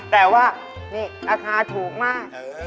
แต่ว่านี่ราคาถูกมาก